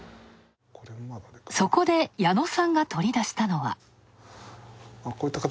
そこで、矢野さんが取り出したのは。